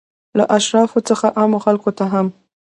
له اشرافو څخه عامو خلکو ته هم.